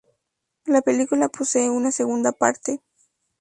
La película posee una segunda parte.